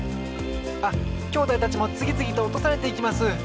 あっきょうだいたちもつぎつぎとおとされていきます！